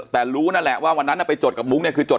แต่รู้นั่นแหละว่าวันนั้นไปจดกับมุกเนี่ยคือจด